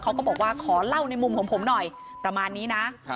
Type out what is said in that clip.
เขาก็บอกว่าขอเล่าในมุมของผมหน่อยประมาณนี้นะ